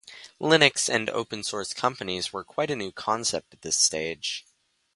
Linux and open-source companies were quite a new concept at this stage.